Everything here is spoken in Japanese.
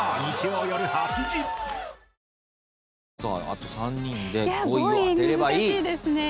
あと３人で５位を当てればいい。